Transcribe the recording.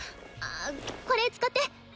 これ使って。